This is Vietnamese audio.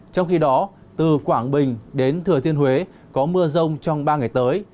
trong khi đó từ quảng bình đến thừa thiên huế có mưa rông trong ba ngày tới